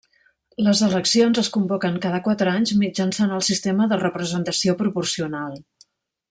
Les eleccions es convoquen cada quatre anys mitjançant el sistema de representació proporcional.